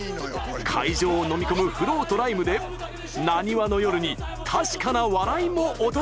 会場をのみ込むフローとライムでなにわの夜に確かな笑いもお届けします！